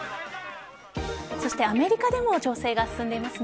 そしてアメリカでも調整が進んでいますね。